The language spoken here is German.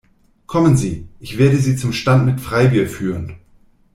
Kommen Sie, ich werde Sie zum Stand mit Freibier führen!